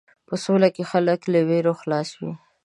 په سوله کې خلک له وېرو خلاص وي.